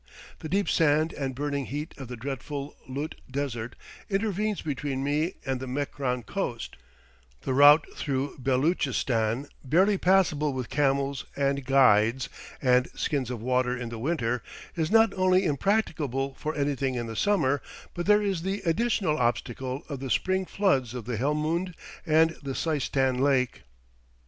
The deep sand and burning heat of the dreadful Lut Desert intervenes between me and the Mekran coast; the route through Beloochistan, barely passable with camels and guides and skins of water in the winter, is not only impracticable for anything in the summer, but there is the additional obstacle of the spring floods of the Helmund and the Seistan Lake.